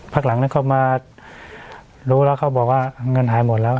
ผู้ชายค่ะ